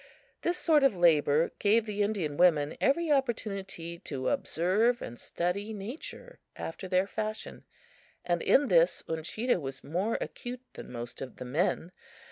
This sort of labor gave the Indian women every opportunity to observe and study Nature after their fashion; and in this Uncheedah was more acute than most of the men.